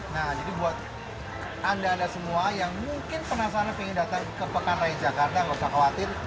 nah jadi buat anda anda semua yang mungkin penasaran pengen datang ke pekan raya jakarta nggak usah khawatir